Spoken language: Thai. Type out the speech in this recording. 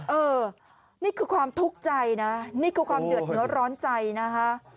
เออนี่คือความทุกข์ใจนะนี่คือความเดือดเนื้อร้อนใจนะคะ